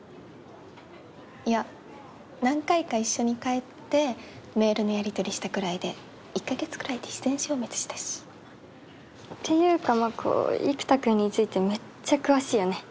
いや何回か一緒に帰ってメールのやりとりしたくらいで１カ月くらいで自然消滅したしていうか真子生田くんについてめっちゃ詳しいよね